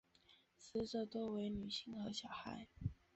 死者多为女性和小孩。